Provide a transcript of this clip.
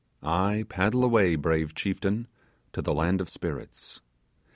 Aye, paddle away, brave chieftain, to the land of spirits!